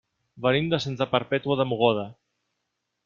Venim de Santa Perpètua de Mogoda.